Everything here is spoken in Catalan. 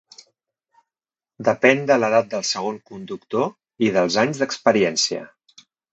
Depèn de l'edat del segon conductor i dels anys d'experiència.